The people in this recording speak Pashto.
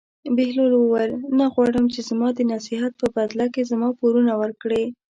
بهلول وویل: نه غواړم چې زما د نصیحت په بدله کې زما پورونه ورکړې.